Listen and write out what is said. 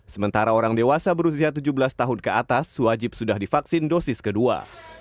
sementara orang dewasa berusia tujuh belas tahun ke atas wajib sudah divaksin dosis kedua